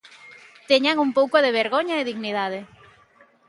Teñan un pouco de vergoña e dignidade.